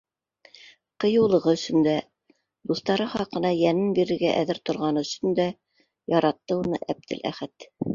Ҡыйыулығы өсөн дә, дуҫтары хаҡына йәнен бирергә әҙер торғаны өсөн дә яратты уны Әптеләхәт.